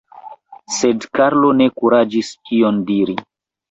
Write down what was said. Sed Karlo ne kuraĝis ion diri.